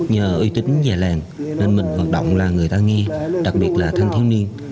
nhờ uy tín về làng nên mình vận động là người ta nghe đặc biệt là thanh thiếu niên